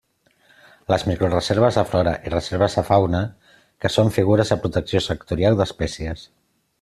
Les microreserves de flora i reserves de fauna que són figures de protecció sectorial d'espècies.